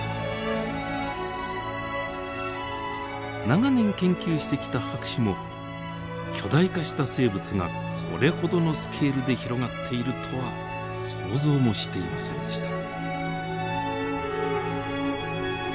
長年研究してきた博士も巨大化した生物がこれほどのスケールで広がっているとは想像もしていませんでした。